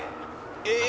「えっ！？」